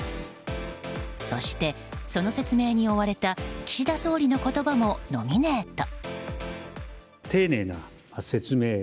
そして、その説明に追われた岸田総理の言葉もノミネート。